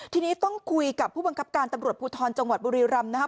ทีนี้ต้องคุยกับผู้บังคับการตำรวจภูทรจังหวัดบุรีรำนะครับ